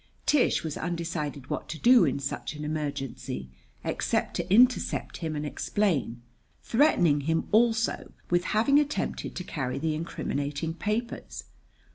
[Tish was undecided what to do in such an emergency, except to intercept him and explain, threatening him also with having attempted to carry the incriminating papers.